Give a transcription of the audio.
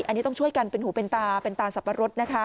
อันนี้ต้องช่วยกันเป็นหูเป็นตาเป็นตาสับปะรดนะคะ